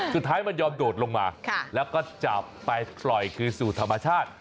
สุดท้ายมันยอมโดดลงมาแล้วก็จับไปปล่อยคืนสู่ธรรมชาติ